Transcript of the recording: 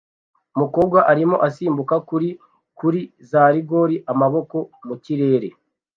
Umukobwa arimo asimbuka kuri kuri za rigore amaboko mu kirere